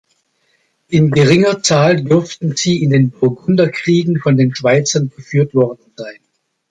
In geringer Zahl dürften sie in den Burgunderkriegen von den Schweizern geführt worden sein.